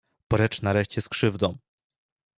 Precz nareszcie z krzywdą!